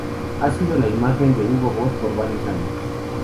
Ha sido la imagen de Hugo Boss por varios años.